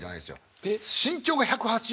あっ身長が１８０。